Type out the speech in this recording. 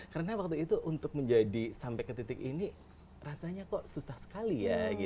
karena waktu itu untuk menjadi sampai ke titik ini rasanya kok susah sekali